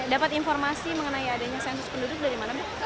dapat informasi mengenai adanya sensus penduduk dari mana bu